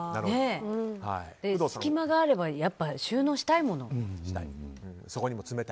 隙間があればやっぱり収納したいもの。